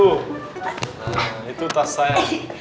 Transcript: nah itu tas saya